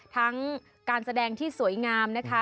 ทั้งการแสดงที่สวยงามนะคะ